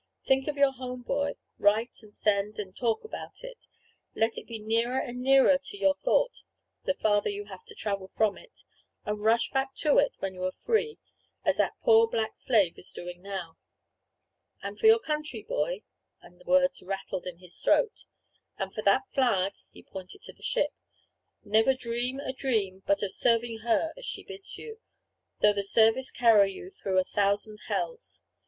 Think of your home, boy; write and send, and talk about it. Let it be nearer and nearer to your thought, the farther you have to travel from it; and rush back to it when you are free, as that poor black slave is doing now. And for your country, boy," and the words rattled in his throat, "and for that flag," and he pointed to the ship, "never dream a dream but of serving her as she bids you, though the service carry you through a thousand hells.